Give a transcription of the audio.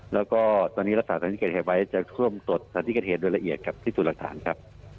แล้วก็ตอนนี้รักษาสถานที่เกิดเหตุไว้จะร่วมตรวจสถานที่เกิดเหตุโดยละเอียดกับพิสูจน์หลักฐานครับ